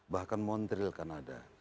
bahkan montreal kan ada